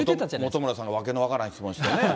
もとむらさんが訳の分からん質問してね。